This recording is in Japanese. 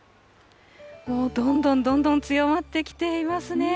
もうどんどんどんどん強まってきていますね。